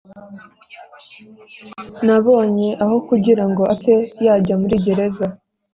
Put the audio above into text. Nabonye aho kugirango apfe yajya muri gereza